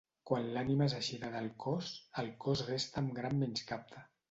Quan l'ànima és eixida del cos, el cos resta en gran menyscapte.